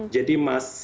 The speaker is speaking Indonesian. jadi masih agak lama ya